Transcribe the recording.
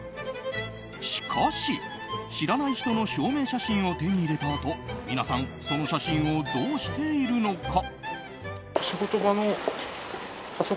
しかし、知らない人の証明写真を手に入れたあと皆さん、その写真をどうしているのか。